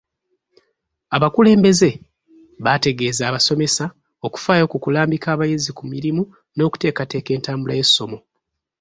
Abakulembeze baategeeza abasomesa okufaayo ku kulambika abayizi ku mirimu n'okuteekateeka entabula y'essomo.